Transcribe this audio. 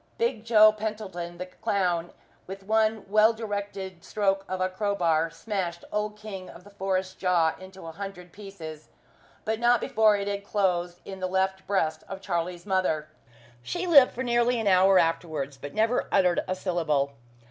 Big Joe Pentland, the clown, with one well directed stroke of a crowbar, smashed Old King of the Forest's jaw into a hundred pieces, but not before it had closed in the left breast of Charlie's mother. She lived for nearly an hour afterwards, but never uttered a syllable.